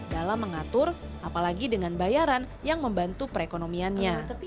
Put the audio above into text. dan mengatur apalagi dengan bayaran yang membantu perekonomiannya